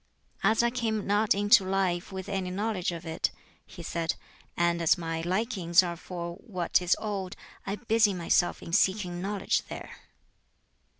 "As I came not into life with any knowledge of it," he said, "and as my likings are for what is old, I busy myself in seeking knowledge there."